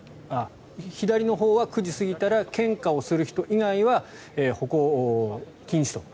左のほうは９時過ぎたら献花をする人以外は歩行禁止と。